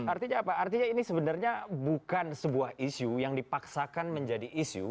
artinya apa artinya ini sebenarnya bukan sebuah isu yang dipaksakan menjadi isu